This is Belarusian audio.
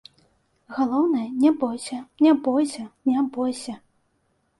Галоўнае, не бойся, не бойся, не бойся.